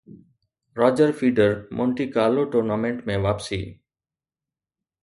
Roger Federer Monte Carlo tournament ۾ واپسي